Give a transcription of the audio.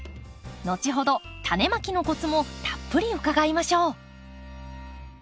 後ほどタネまきのコツもたっぷり伺いましょう。